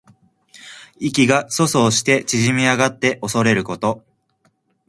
意気が阻喪して縮み上がっておそれること。